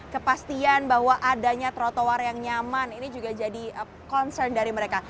kepastian bahwa adanya trotoar yang nyaman ini juga jadi concern dari mereka